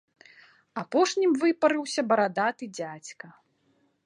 Апошнім выпарыўся барадаты дзядзька.